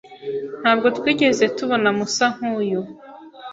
Ntabwo twigeze tubona Musa nkuyu.